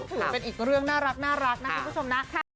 ถือเป็นอีกเรื่องน่ารักนะคุณผู้ชมนะ